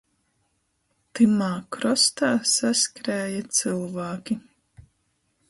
Tymā krostā saskrēja cylvāki.